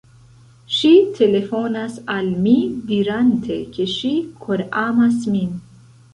Ŝi telefonas al mi dirante ke ŝi koramas min